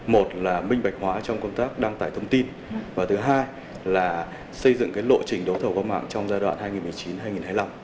một là minh bạch hóa trong công tác đăng tải thông tin và thứ hai là xây dựng lộ trình đấu thầu qua mạng trong giai đoạn hai nghìn một mươi chín hai nghìn hai mươi năm